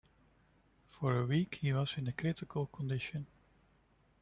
For a week he was in a critical condition.